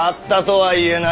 はい。